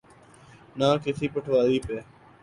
نہ کسی پٹواری پہ۔